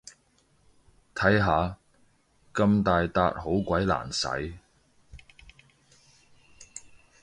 睇下，咁大撻好鬼難洗